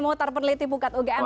muhtar peneliti bukat ugm